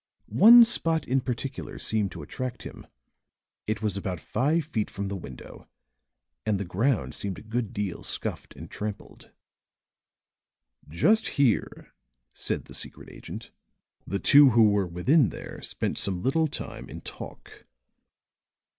One spot in particular seemed to attract him; it was about five feet from the window and the ground seemed a good deal scuffed and trampled. "Just here," said the secret agent, "the two who were within there spent some little time in talk.